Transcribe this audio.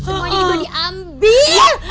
semuanya juga diambil